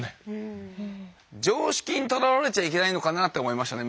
常識にとらわれちゃいけないのかなって思いましたね